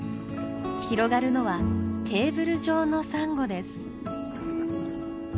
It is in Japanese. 広がるのはテーブル状のサンゴです。